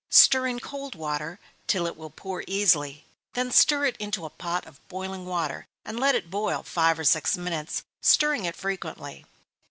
Stir in cold water till it will pour easily; then stir it into a pot of boiling water, and let it boil five or six minutes, stirring it frequently.